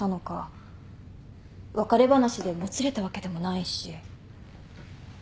別れ話でもつれたわけでもないし。